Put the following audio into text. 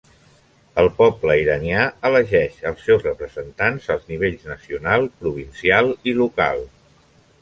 El poble iranià elegeix els seus representants als nivells nacional, provincial i local.